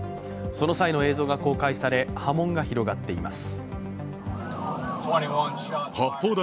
その際の映像が公開され波紋が広がっています。